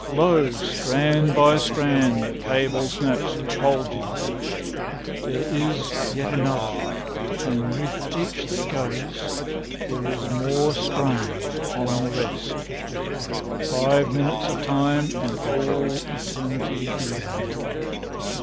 Lo, strand by strand the cable snaps which holds you. There is yet another, and with each that goes there is more strain[Pg 251] upon the rest. Five minutes of time, and all eternity beyond."